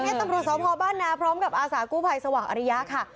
เนี่ยตำรวจทพบ้านนะพร้อมกับอาสากุภัยสวังอริยะค่ะ